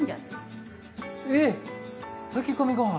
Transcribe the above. えっ炊き込みご飯？